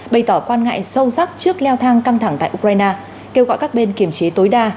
bày tỏ quan ngại sâu sắc trước leo thang căng thẳng tại ukraine kêu gọi các bên kiềm chế tối đa